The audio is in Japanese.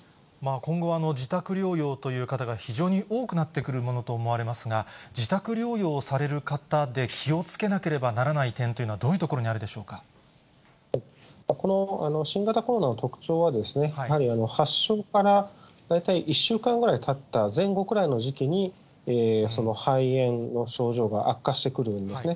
今後、自宅療養という方が非常に多くなってくるものと思われますが、自宅療養される方で気をつけなければならない点というのは、この新型コロナの特徴は、やはり発症から大体１週間ぐらいたった前後くらいの時期に、肺炎の症状が悪化してくるんですね。